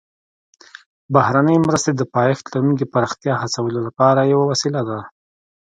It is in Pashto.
بهرنۍ مرستې د پایښت لرونکي پراختیا هڅولو لپاره یوه وسیله ده